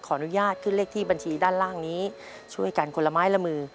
อนุญาตขึ้นเลขที่บัญชีด้านล่างนี้ช่วยกันคนละไม้ละมือ